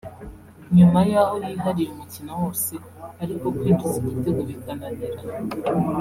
nyuma y’aho yihariye umukino wose ariko kwinjiza igitego bikananirana